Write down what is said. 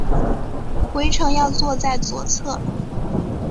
回程要坐在左侧